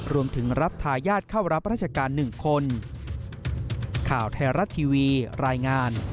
รวมถึงรับทายาทเข้ารับราชการ๑คน